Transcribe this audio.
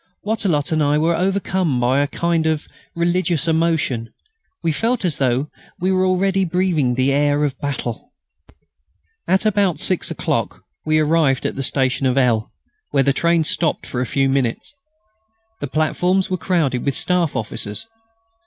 Wattrelot and I were overcome by a kind of religious emotion; we felt as though we were already breathing the air of battle. At about six o'clock we arrived at the station of L., where the train stopped for a few minutes. The platforms were crowded with Staff officers.